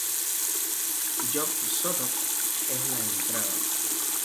Yog-Sothoth es la entrada.